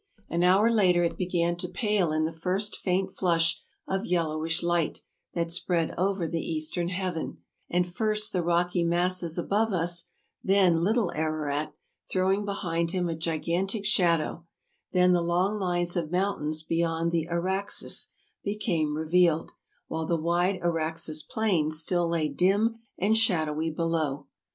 An hour later it began to pale in the first faint flush of yellowish light that spread over the eastern heaven ; and first the rocky masses above us, then Little Ararat, throwing behind him a gigan tic shadow, then the long lines of mountains beyond the Araxes, became revealed, while the wide Araxes plain still lay dim and shadowy below.